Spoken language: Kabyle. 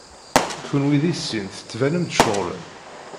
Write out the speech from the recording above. Kenwi deg sin tettbanem-d tceɣlem.